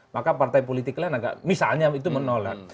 maka partai politik lain agak misalnya itu menolak